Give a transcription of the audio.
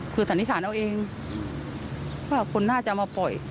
คือสันนิษฐานเอาเองว่าคนน่าจะเอามาปล่อย